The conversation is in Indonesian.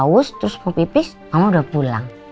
awus terus mau pipis mama udah pulang